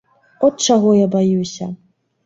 От чаго я баюся.